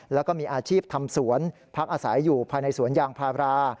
แล้วก็มีอาชีพทำสวนพักอาศัยอยู่ภายในสวนยางพารา